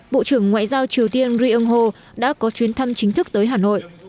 bộ trưởng ngoại giao triều tiên ri ân hồ đã có chuyến thăm chính thức tới hà nội